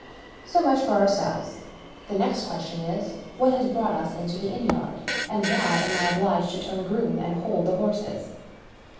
^ So much for ourselves. The next question is — ^what has brought us fnto the inn yard? and why am I obliged to turn groom, and hold the horses?